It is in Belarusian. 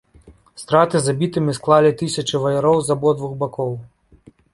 Страты забітымі склалі тысячы ваяроў з абодвух бакоў.